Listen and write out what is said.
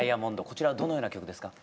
こちらはどのような曲ですか？